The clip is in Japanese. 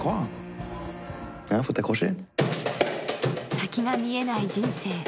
先が見えない人生。